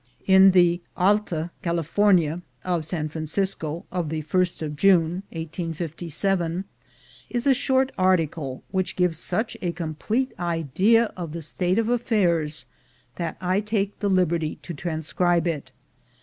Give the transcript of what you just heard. In the Aha California of San Francisco of the 1st of June is a short article, which gives such a complete idea of the state of affairs that I take the liberty to transcribe it.